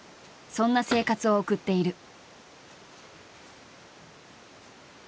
そんな生活を送っている。